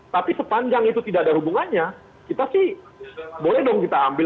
tapi sepanjang itu tidak ada hubungannya kita sih boleh dong kita ambil